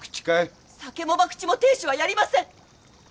酒も博打も亭主はやりません。